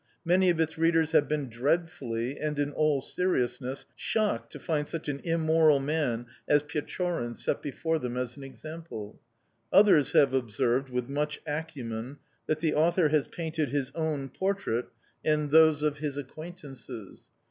Many of its readers have been dreadfully, and in all seriousness, shocked to find such an immoral man as Pechorin set before them as an example. Others have observed, with much acumen, that the author has painted his own portrait and those of his acquaintances!...